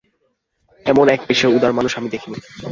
এমন একপেশে উদার মানুষ আমি দেখিনি।